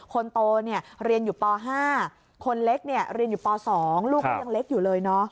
คนโตเนี่ยเรียนอยู่ป๕คนเล็กเรียนอยู่ป๒ลูกก็ยังเล็กอยู่เลยเนอะ